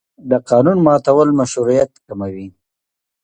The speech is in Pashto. د قانون ماتول مشروعیت کموي